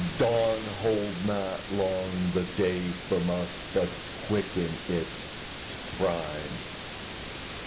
— Dawn, hold not long the day from us, But quicken it to prime!